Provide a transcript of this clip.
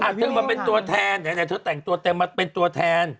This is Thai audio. อ่ะถึงมาเป็นตัวแทนเดี๋ยวแต่งตัวเต็มมาเป็นตัวแทน